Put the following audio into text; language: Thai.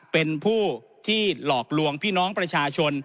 เป็นผู้ที่หลอกลวงพี่น้องประชาชน